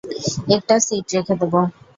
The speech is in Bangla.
একটা সিট রেখে দেবো।